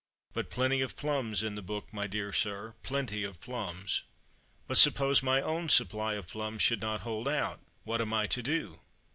But plenty of plums in the book, my dear sir, plenty of plums." "But, suppose my own supply of plums should not hold out, what am I to do?"